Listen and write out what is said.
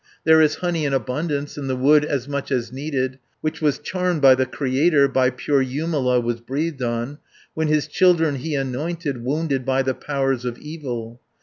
There is honey in abundance, In the wood as much as needed, Which was charmed by the Creator, By pure Jumala was breathed on, 480 When his children he anointed, Wounded by the powers of evil.